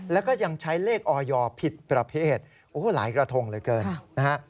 และก็ยังใช้เลขออยผิดประเภทโหหลายกระทงเลยเกิน